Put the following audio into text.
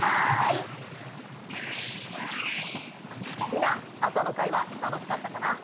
みんな朝の会はたのしかったかな？